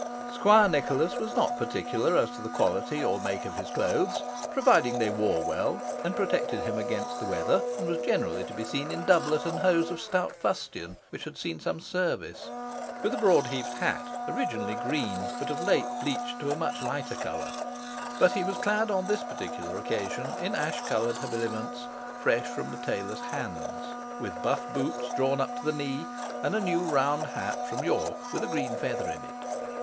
Squire Nicholas was not particular as to the quality or make of his clothes, provided they wore well and protected him against the weather, and was generally to be seen in doublet and hose of stout fustian, which had seen some service, with a broad leaved hat, originally green, but of late bleached to a much lighter colour; but he was clad on this particular occasion in ash coloured habiliments fresh from the tailor's hands, with buff boots drawn up to the knee, and a new round hat from York with a green feather in it.